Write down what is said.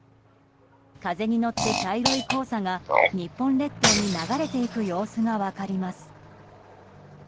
風に乗って茶色い黄砂が日本列島に流れていく様子が分かります。